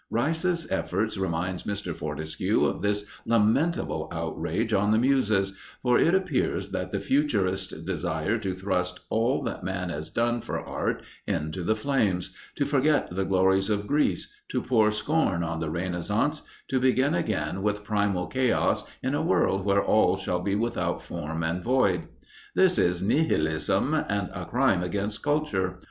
Rice's effort reminds Mr. Fortescue of this lamentable outrage on the Muses, for it appears that the Futurists desire to thrust all that man has done for art into the flames to forget the glories of Greece, to pour scorn on the Renaissance, to begin again with primal chaos in a world where all shall be without form and void. This is Nihilism and a crime against culture.